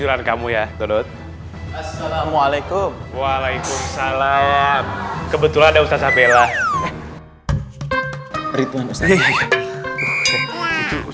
hai kalau begitu saya pamit dulu